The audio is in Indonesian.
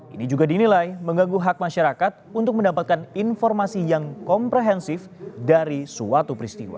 ini juga dinilai mengganggu hak masyarakat untuk mendapatkan informasi yang komprehensif dari suatu peristiwa